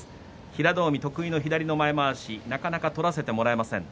平戸海、得意の左の前まわしなかなか取らせてもらえません。